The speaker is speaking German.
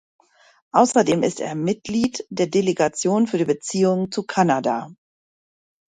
Außerdem ist er Mitglied der Delegation für die Beziehungen zu Kanada.